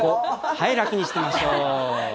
はい、楽にしましょう。